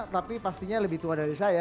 tapi pastinya lebih tua dari saya